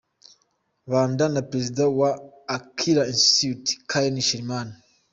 Banda na Perezida wa Akilah Institute, Karen Sherman.